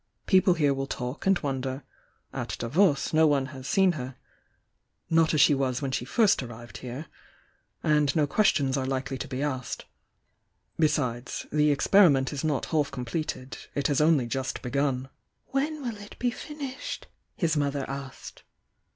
People here will talk and wonder, — at Davos no one has seen her — not as she was when she first arrived here — and no questions are likely to be asked. Besides, — the experiment is not half completed — it has only just begun." "When will it be finished?" his mother asked.